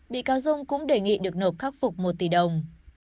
bị cáo dung cũng đề nghị được nộp khắc phục một tỷ đồng